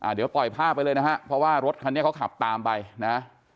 เดี๋ยวปล่อยภาพไปเลยนะฮะเพราะว่ารถคันนี้เขาขับตามไปนะ